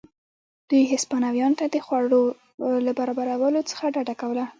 دوی هسپانویانو ته د خوړو له برابرولو څخه ډډه کوله.